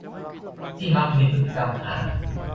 ที่มักมีพฤติกรรมห่าม